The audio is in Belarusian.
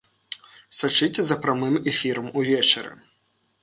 Сачыце за прамым эфірам увечары!